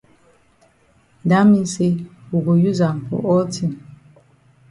Dat mean say we go use am for all tin.